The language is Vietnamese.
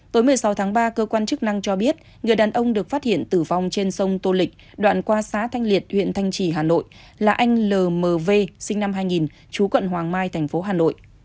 tối một mươi sáu tháng ba cơ quan chức năng cho biết người đàn ông được phát hiện tử vong trên sông tô lịch đoạn qua xá thanh liệt huyện thanh trì hà nội là anh lmv sinh năm hai nghìn chú quận hoàng mai thành phố hà nội